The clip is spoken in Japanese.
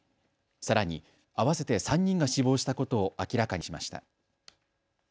さらに合わせて３人が死亡したことを明らかにしました。